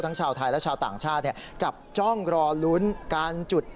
ชาวไทยและชาวต่างชาติจับจ้องรอลุ้นการจุด